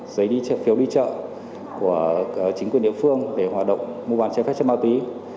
giấy phiếu đi chợ của chính quyền địa phương để hoạt động mua bàn che phép trên ma túy